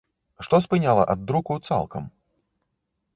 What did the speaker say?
Што спыняла ад друку цалкам?